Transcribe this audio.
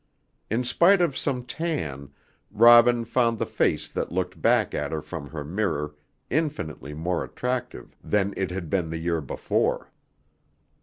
In spite of some tan Robin found the face that looked back at her from her mirror infinitely more attractive than it had been the year before.